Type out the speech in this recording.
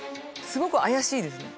すごく怪しいですね。